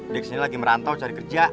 dia kesini lagi merantau cari kerja